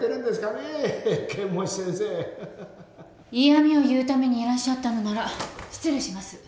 嫌みを言うためにいらっしゃったのなら失礼します。